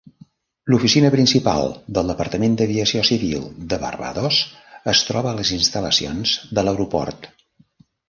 L'oficina principal del Departament d'Aviació Civil de Barbados es troba a les instal·lacions de l'aeroport.